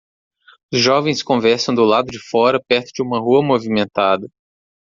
Os jovens conversam do lado de fora perto de uma rua movimentada.